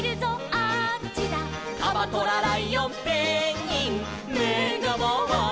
「カバトラライオンペンギンめがまわる」